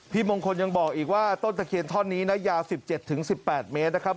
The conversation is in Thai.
มงคลยังบอกอีกว่าต้นตะเคียนท่อนนี้นะยาว๑๗๑๘เมตรนะครับ